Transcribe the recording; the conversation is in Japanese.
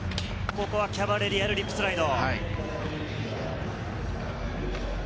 ここはキャバレリアルリップスライド。